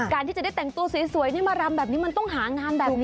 การที่จะได้แต่งตัวสวยนี่มารำแบบนี้มันต้องหางานแบบนี้